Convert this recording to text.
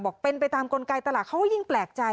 เป็นไปตามกลไกตลาดเขาก็ยิ่งแปลกใจ